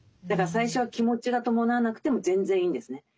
だから最初は気持ちが伴わなくても全然いいんですね。